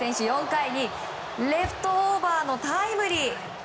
４回にレフトオーバーのタイムリー。